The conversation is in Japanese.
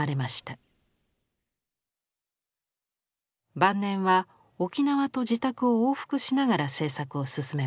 晩年は沖縄と自宅を往復しながら制作を進めました。